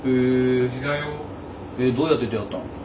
どうやって出会ったの？